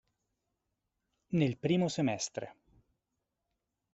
Nel primo semestre.